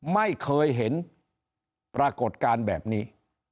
ไม่เคยเห็นปรากฏการณ์แบบนี้